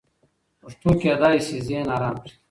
پښتو کېدای سي ذهن ارام کړي.